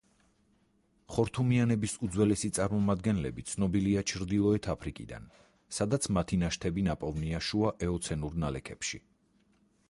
ხორთუმიანების უძველესი წარმომადგენლები ცნობილია ჩრდილოეთ აფრიკიდან, სადაც მათი ნაშთები ნაპოვნია შუა ეოცენურ ნალექებში.